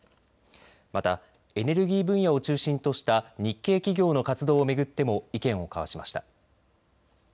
またエネルギー分野を中心とした日系企業の活動を巡っても意見を交わしました。